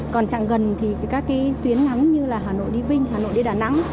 còn chẳng gần thì các tuyến nắng như hà nội đi vinh hà nội đi đà nẵng